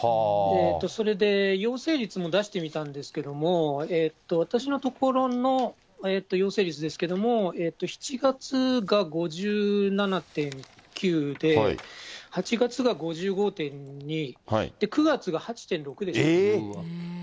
それで陽性率も出してみたんですけども、私のところの陽性率ですけども、７月が５７．９で、８月が５５．２、９月が８．６でした。